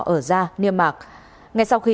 ở da niêm mạc ngày sau khi